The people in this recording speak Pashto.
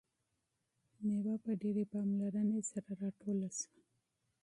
میوه په ډیرې پاملرنې سره راټوله شوه.